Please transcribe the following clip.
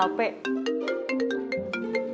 lu ganti hp